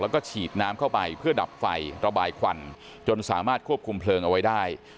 แล้วก็ฉีดน้ำเข้าไปเพื่อดับไฟระบายควันจนสามารถควบคุมเพลิงเอาไว้ได้